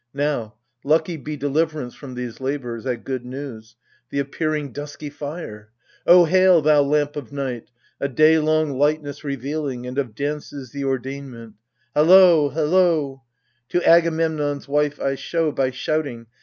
Now, lucky be deliverance from these labours. At good news — the appearing dusky fire ! O hail, thou lamp of night, a day long lightness Revealing, and of dances the ordainment ! Halloo, halloo ! To Agamemnon's wife I show, by shouting.